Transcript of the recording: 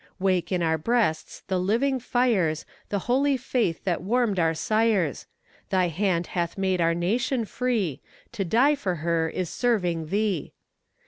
Wake in our breasts the living fires, The holy faith that warmed our sires; Thy hand hath made our nation free; To die for her is serving Thee.